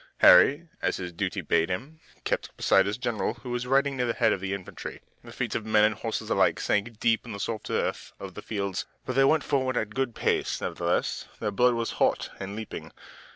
Harry, as his duty bade him, kept beside his general, who was riding near the head of the infantry. The feet of men and horses alike sank deep in the soft earth of the fields, but they went forward at a good pace, nevertheless. Their blood was hot and leaping.